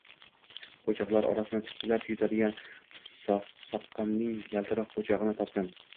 Po‘choqlar orasini titkilab, yutadigan soqqamning yaltiroq po‘chog‘ini topdim.